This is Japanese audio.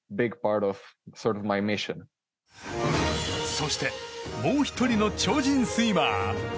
そしてもう１人の超人スイマー。